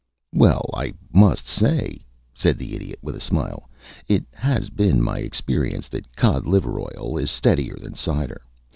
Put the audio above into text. "Well, I must say," said the Idiot, with a smile, "it has been my experience that cod liver oil is steadier than cider.